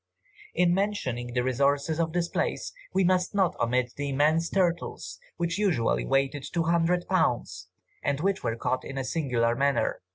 In mentioning the resources of this place, we must not omit the immense turtles, which usually weighed two hundred pounds, and which were caught in a singular manner.